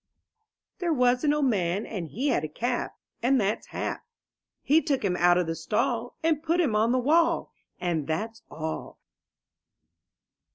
C 'T^HERE was an old man *• And he had a calf, And that's half; He took him out of the stall And put him on the wall. And that's all.